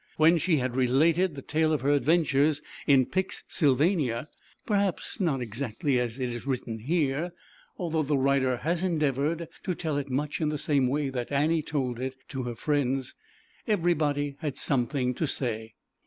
When she had related the tale of her adventures in Pix Sylvania j ps not exactly as it is written here, ZAUBERLINDA, THE WISE WITCH. 251 although the writer has endeavored to tell it much in the same way that Annie told it to her friends everybody had something to say.